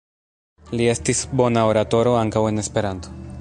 Li estis bona oratoro ankaŭ en Esperanto.